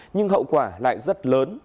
nhưng hậu quả lại rất lớn